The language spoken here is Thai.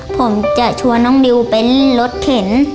ผมจะชวนน้องดิวเป็นรถเข็น